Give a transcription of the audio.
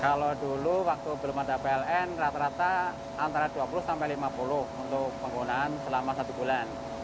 kalau dulu waktu belum ada pln rata rata antara dua puluh sampai lima puluh untuk penggunaan selama satu bulan